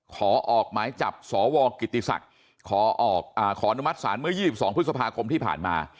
ขอออกหมายจับสวกิติศักดิ์ขออนุมัติศาลเมื่อ๒๒พฤษภาคมที่ผ่านมา